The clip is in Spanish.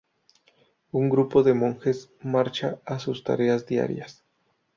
Un grupo de monjes marcha a sus tareas diarias.